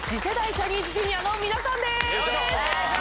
ジャニーズＪｒ．の皆さんです。